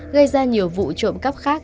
gây ra nhiều vụ trộm cắp khác